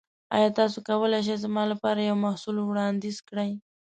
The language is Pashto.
ایا تاسو کولی شئ زما لپاره یو محصول وړاندیز کړئ؟